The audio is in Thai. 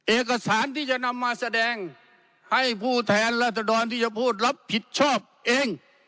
เอกสารที่จะนำมาแสดงให้ผู้แทนราษฎรที่จะพูดรับผิดชอบเอง